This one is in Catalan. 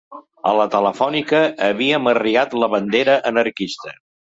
A la Telefònica havien arriat la bandera anarquista